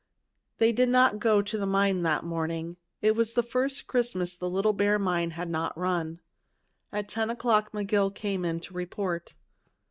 They did not go to the mine that morning. It was the first Christmas the Little Bear Mine had not run. At ten o'clock McGill came in to report.